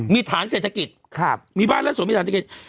มีฐานเศรษฐกิจมีบ้านและสวนมีฐานเศรษฐกิจ